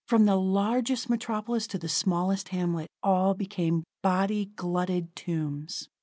From the largest metropolis to the smallest hamlet, all became body glutted tombs.